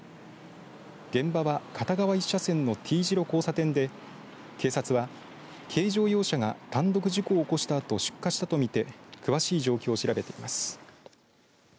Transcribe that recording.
現場は片側１車線のＴ字路交差点で警察は軽乗用車が単独事故を起こしたあと出火したと見て詳しい状況を調べています。